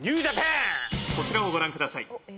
「こちらをご覧ください」